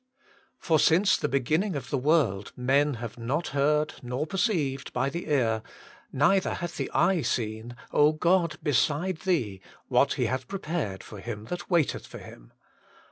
' For 8mce the beginning of the world men have nob heard, nor perceived by the ear, neither hath the eye Been, O God, beside Thee, what He hath prepared for him that waiteth for Him.'